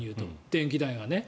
電気代がね。